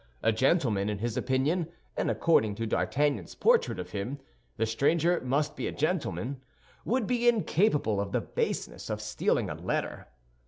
A gentleman, in his opinion—and according to D'Artagnan's portrait of him, the stranger must be a gentleman—would be incapable of the baseness of stealing a letter.